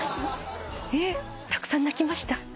えったくさん泣きました？